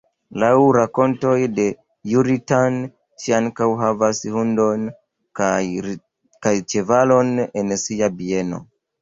Laŭ rakontoj de Ĵuri-tan, ŝi ankaŭ havas hundon kaj ĉevalon en sia bieno.